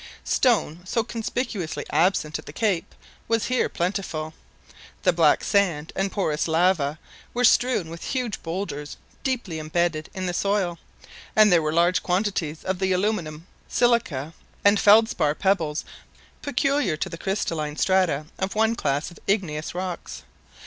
Stone, so conspicuously absent at the cape, was here plentiful; the black sand and porous lava were strewn with huge boulders deeply imbedded in the soil, and there were large quantities of the aluminium, silica, and felspar pebbles peculiar to the crystalline strata of one class of igneous rocks.